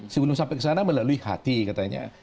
sebelum sampai ke sana melalui hati katanya